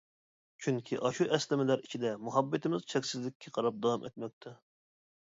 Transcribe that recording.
چۈنكى ئاشۇ ئەسلىمىلەر ئىچىدە مۇھەببىتىمىز چەكسىزلىككە قاراپ داۋام ئەتمەكتە!